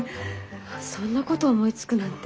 そんなこと思いつくなんて。